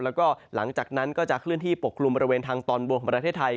แล้วก็หลังจากนั้นก็จะเคลื่อนที่ปกกลุ่มบริเวณทางตอนบนของประเทศไทย